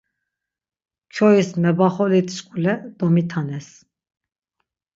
Kyois mebaxolitşkule domitanes.